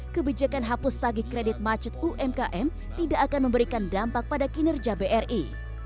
kebijakan hapus tagi kredit macet umkm tidak akan memberikan dampak pada kinerja bri